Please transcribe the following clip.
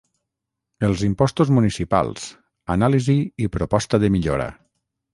Els impostos municipals: anàlisi i proposta de millora.